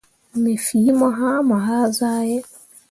Me fii mo hãã mo hazahe.